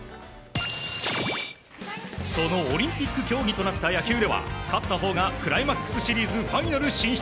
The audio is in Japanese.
そのオリンピック競技となった野球では勝ったほうがクライマックスシリーズファイナル進出。